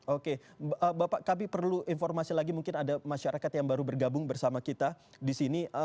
oke bapak kami perlu informasi lagi mungkin ada masyarakat yang baru bergabung bersama kita di sini